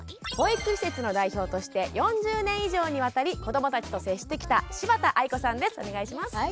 保育施設の代表として４０年以上にわたり子どもたちと接してきた柴田愛子さんです。